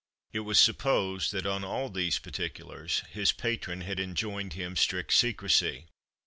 It was supposed that on all these particulars his patron had enjoined him strict secrecy.